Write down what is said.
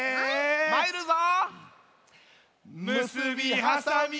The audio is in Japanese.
まいるぞ。